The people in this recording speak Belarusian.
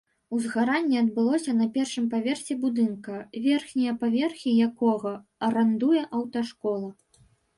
Узгаранне адбылося на першым паверсе будынка, верхнія паверхі якога арандуе аўташкола.